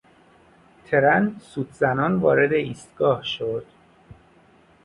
ترن سوت زنان وارد ایستگاه شد.